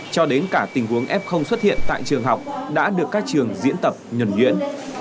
cho đến cả tình huống f xuất hiện tại trường học đã được các trường diễn tập nhuẩn nhuyễn